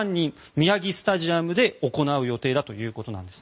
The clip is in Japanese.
宮城スタジアムで行う予定だということなんです。